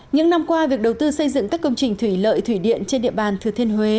những năm qua việc đầu tư xây dựng các công trình thủy lợi thủy điện trên địa bàn thừa thiên huế